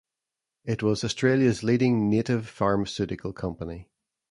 It was Australia's leading native pharmaceutical company.